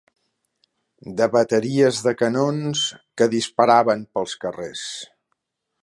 ...de bateries de canons que disparaven pels carrers